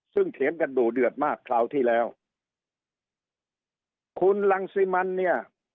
ซึ่งเถียงกันดูเดือดมากคราวที่แล้วคุณรังสิมันเนี่ย